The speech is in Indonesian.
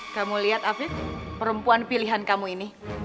kamu lihat afif perempuan pilihan kamu ini